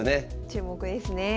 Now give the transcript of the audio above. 注目ですね。